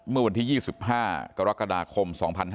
เมื่อวันที่๒๕กรกฎาคม๒๕๕๙